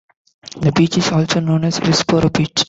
The beach is also known as Westboro Beach.